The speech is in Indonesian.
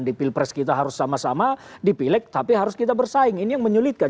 di pilpres kita harus sama sama di pilek tapi harus kita bersaing ini yang menyulitkan